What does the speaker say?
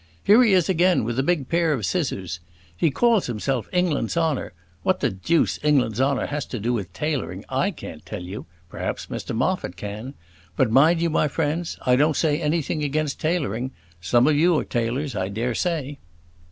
Here he is again, with a big pair of scissors. He calls himself 'England's honour;' what the deuce England's honour has to do with tailoring, I can't tell you: perhaps Mr Moffat can. But mind you, my friends, I don't say anything against tailoring: some of you are tailors, I dare say."